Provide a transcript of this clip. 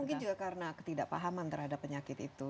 mungkin juga karena ketidakpahaman terhadap penyakit itu